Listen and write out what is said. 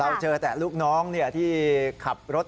เจอแต่ลูกน้องที่ขับรถ